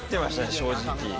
正直。